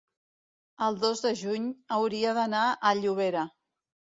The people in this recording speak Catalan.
el dos de juny hauria d'anar a Llobera.